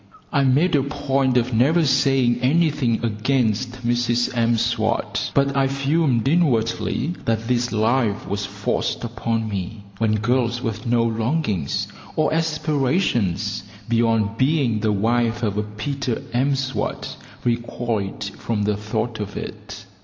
I made a point of never saying anything against Mrs M'Swat; but I fumed inwardly that this life was forced upon me, when girls with no longings or aspirations beyond being the wife of a Peter M'Swat recoiled from the thought of it.